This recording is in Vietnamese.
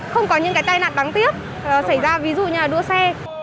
không có những cái tai nạn bắn tiếp xảy ra ví dụ như là đua xe